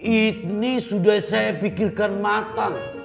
ini sudah saya pikirkan matang